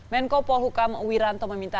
menko polhukam wiranto meminta